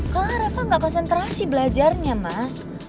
kalau reva gak konsentrasi belajarnya mas